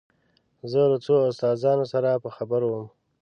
زه له څو استادانو سره په خبرو وم.